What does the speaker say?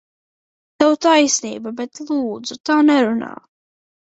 Tev taisnība, bet, lūdzu, tā nerunā!